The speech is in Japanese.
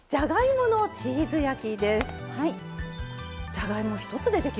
１つ目はじゃがいも１つでできる。